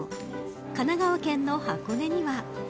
神奈川県の箱根には。